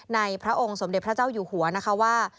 พระองค์สมเด็จพระเจ้าอยู่หัวนะคะว่า